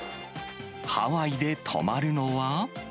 ハワイで泊まるのは。